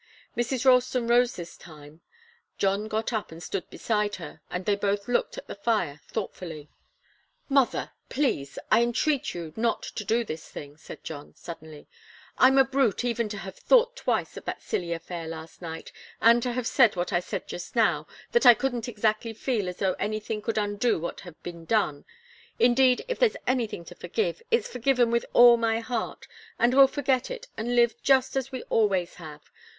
Mrs. Ralston rose this time. John got up and stood beside her, and they both looked at the fire thoughtfully. "Mother please I entreat you not to do this thing!" said John, suddenly. "I'm a brute even to have thought twice of that silly affair last night and to have said what I said just now, that I couldn't exactly feel as though anything could undo what had been done. Indeed if there's anything to forgive, it's forgiven with all my heart, and we'll forget it and live just as we always have.